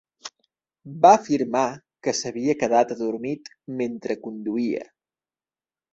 Va afirmar que s'havia quedat adormit mentre conduïa.